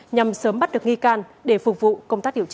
nhằm sớm bắt được nghi can để phục vụ công tác điều tra